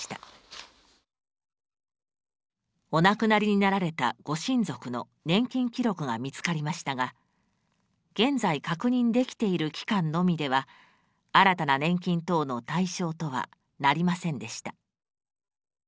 「お亡くなりになられたご親族の年金記録が見つかりましたが現在確認できている期間のみでは新たな年金等の対象とはなりませんでした」。